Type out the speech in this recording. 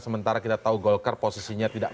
sementara kita tahu golkar posisinya tidak